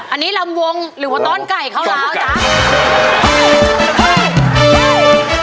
อันนี้ลำวงหรือพอนอนไก่เขาแล้วจ้ะ